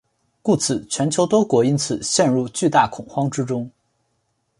故此全球多国因此陷入巨大恐慌之中。